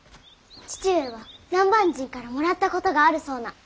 父上は南蛮人からもらったことがあるそうな。